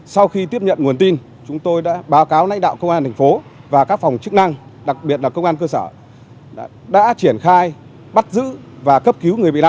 sau khi tiếp nhận nguồn tin chúng tôi đã báo cáo lãnh đạo công an thành phố và các phòng chức năng đặc biệt là công an cơ sở đã triển khai bắt giữ và cấp cứu người bị nạn